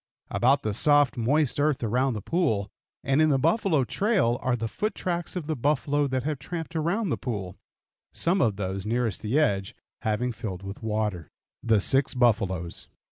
About the soft, moist earth around the pool, and in the buffalo trail are the foot tracks of the buffalo that have tramped around the pool, some of those nearest the edge having filled with water. THE SIX BUFFALOES.